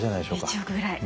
１億ぐらい。